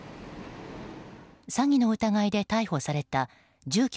詐欺の疑いで逮捕された住所